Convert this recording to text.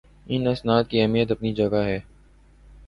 ان اسناد کی اہمیت اپنی جگہ ہے